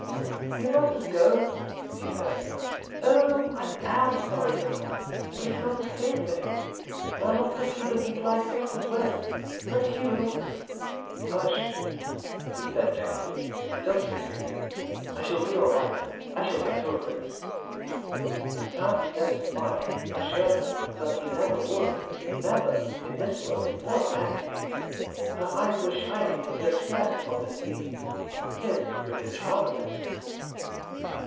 "You mustn't go," she said. "Oh I am sorry for Tom but it's not the same for him. There are lots of people he'd like just as well but you " "Hush!" he said gently, "don't think of me. I shall be all right. I shall get over it." His sad, set smile assured her that he never would never, in this world or the next. Her eyes were shining with the stress of the scene: his with the charm of it.